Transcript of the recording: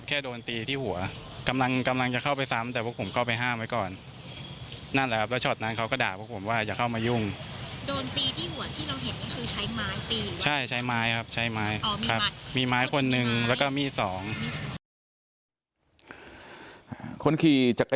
คนขี่จักรยันยนต์เพื่อนกลุ่มใด